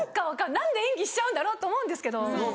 何で演技しちゃうんだろうと思うんですけど。